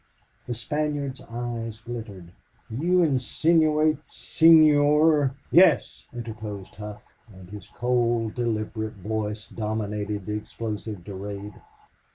The Spaniard's eyes glittered. "You insinuate SENOR " "Yes," interposed Hough, and his cold, deliberate voice dominated the explosive Durade.